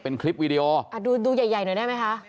เป็นคลิปวีดีโอดูใหญ่ใหญ่หน่อยได้ไหมคะ